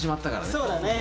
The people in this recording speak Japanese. そうだね。